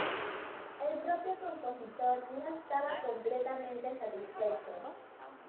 El propio compositor no estaba completamente satisfecho.